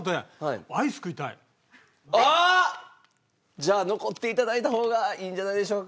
じゃあ残って頂いた方がいいんじゃないでしょうか？